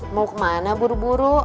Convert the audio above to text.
mau kemana buru buru